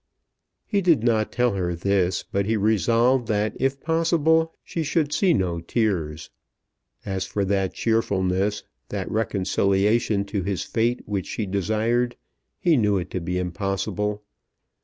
He did not tell her this, but he resolved that if possible she should see no tears. As for that cheerfulness, that reconciliation to his fate which she desired, he knew it to be impossible.